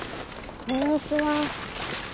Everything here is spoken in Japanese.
こんにちは。